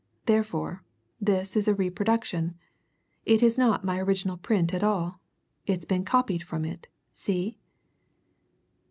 Therefore this is a reproduction! It is not my original print at all it's been copied from it. See?"